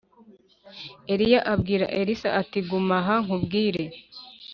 Eliya abwira Elisa ati guma aha nkubwire